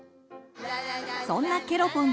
そんなケロポンズ